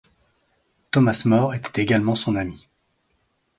Thomas More était également son ami.